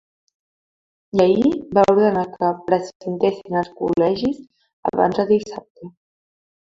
I ahir va ordenar que precintessin els col·legis abans de dissabte.